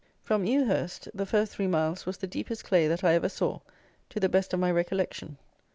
From Ewhurst the first three miles was the deepest clay that I ever saw, to the best of my recollection.